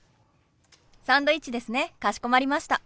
サンドイッチですねかしこまりました。